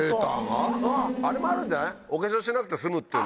あれもあるんじゃない？